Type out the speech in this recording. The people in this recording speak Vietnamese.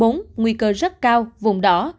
nguy cơ rất cao vùng đỏ